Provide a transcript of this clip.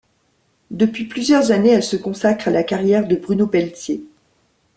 Depuis plusieurs années, elle se consacre à la carrière de Bruno Pelletier.